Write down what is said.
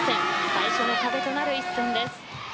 最初の壁となる一戦です。